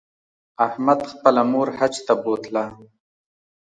احمد خپله مور حج ته بوتله